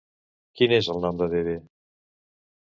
Quin és el nom de Bebe?